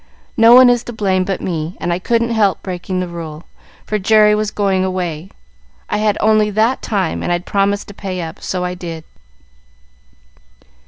No one is to blame but me; and I couldn't help breaking the rule, for Jerry was going away, I had only that time, and I'd promised to pay up, so I did."